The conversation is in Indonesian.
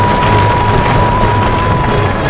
atau tentang kakaknya